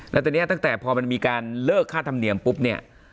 แล้วตอนนี้ตั้งแต่พอมันมีการเลิกค่าธรรมเนียมปุ๊บเนี่ย